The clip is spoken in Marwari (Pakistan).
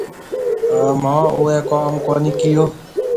مونه او ڪوم ڪونِي ڪيو۔